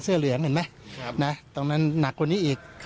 เสื้อเหลืองเห็นไหมตรงนั้นหนักคนนี้อีก